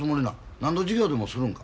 何ど事業でもするんか？